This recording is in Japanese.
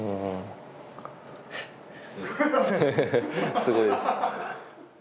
すごいです。